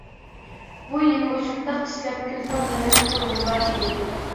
بۇ يىلمۇ شۇنداق ئىشلەپ كۈزنىڭ غېمىنى قىلغۇم بار ئىدى.